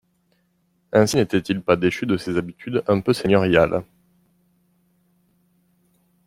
Ainsi n'était-il pas déchu de ses habitudes un peu seigneuriales.